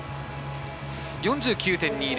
４９．２０